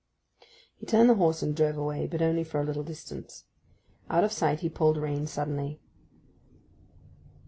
He turned the horse and drove away, but only for a little distance. Out of sight he pulled rein suddenly.